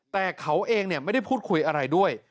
แต่เขาเองไม่ได้พูดคุยอะไรด้วย